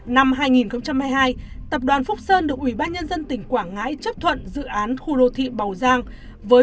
năm hai nghìn hai mươi hai tập đoàn phúc sơn được ubnd tỉnh quảng ngãi chấp thuận dự án khu đô thị bàu giang với